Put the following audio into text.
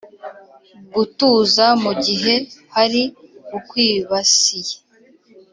gutuza mu gihe hari ukwibasiye